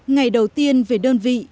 ngày đầu tiên về đơn vị